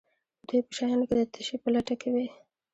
دوی په شیانو کې د تشې په لټه کې وي.